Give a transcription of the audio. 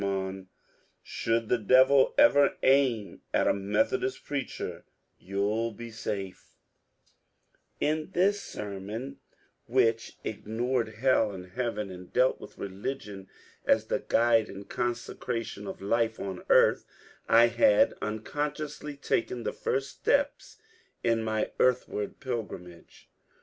Mono : should the devil ever aim at a Methodist preacher, you *11 be ' safel" THE mCKSITE QUAKERS 103 In this sermon, which ignored hell and heaven, and dealt with religion as the guide and consecration of life on earth, I had unconsciously taken the first steps in my ^^ Earthward Pilgrimage."